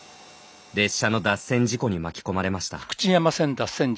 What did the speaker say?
列車の脱線事故に巻き込まれました。